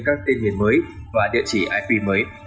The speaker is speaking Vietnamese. các tên miền mới và địa chỉ ip mới